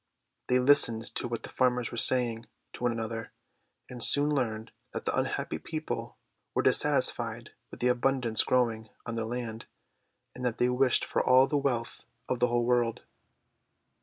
They listened to what the farmers were saying to one another, and soon learned that the unhappy people were dissatisfied with the abundance growing on their land, and that they wished for all the wealth of the whole world.